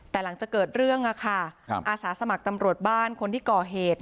แต่หลังจากเกิดเรื่องอาสาสมัครตำรวจบ้านคนที่ก่อเหตุ